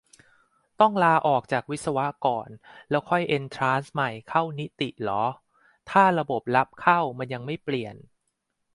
ต้องลาออกจากวิศวะก่อน แล้วค่อยเอ็นทรานซ์ใหม่เข้านิติเหรอ ถ้าระบบรับเข้ามันยังไม่เปลี่ยน ?